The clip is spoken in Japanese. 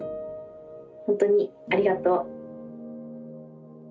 本当にありがとう。